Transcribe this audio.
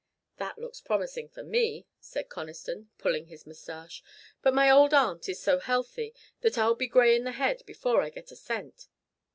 "That looks promising for me," said Conniston, pulling his mustache, "but my old aunt is so healthy that I'll be gray in the head before I get a cent.